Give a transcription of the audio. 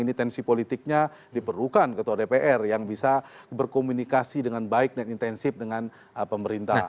ini tensi politiknya diperlukan ketua dpr yang bisa berkomunikasi dengan baik dan intensif dengan pemerintah